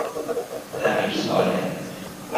امیرصالح